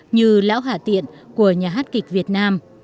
như lão hạ tiện của nhà hát kịch việt nam